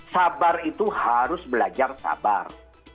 sabar itu harus belajar sabar